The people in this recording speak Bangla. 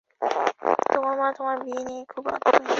তোমার মা তোমার বিয়ে নিয়ে খুব আগ্রহী।